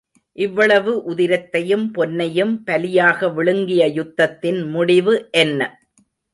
இவ்வளவு உதிரத்தையும் பொன்னையும் பலியாக விழுங்கிய யுத்தத்தின் முடிவு என்ன?